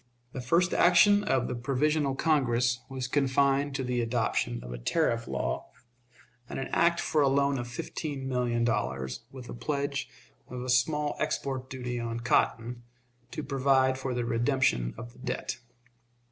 The first action of the Provisional Congress was confined to the adoption of a tariff law, and an act for a loan of fifteen million dollars, with a pledge of a small export duty on cotton, to provide for the redemption of the debt.